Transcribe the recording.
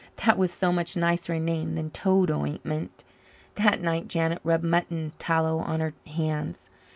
That was so much nicer a name than toad ointment. That night Janet rubbed mutton tallow on her hands.